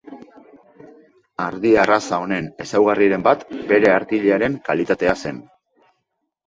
Ardi arraza honen ezaugarriren bat bere artilearen kalitatea zen.